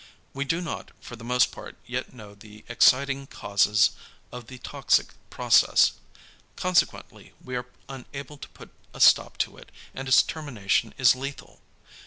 We do not for the most part yet know the exciting causes of the toxic process; consequently we are unable to put a stop to it, and its termination is lethal.